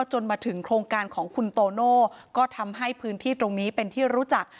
จนมาถึงโครงการของคุณโตโน่ก็ทำให้พื้นที่ตรงนี้เป็นที่รู้จัก